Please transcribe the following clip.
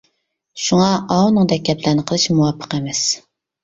شۇڭا ئاۋۇنىڭدەك گەپلەرنى قىلىش مۇۋاپىق ئەمەس.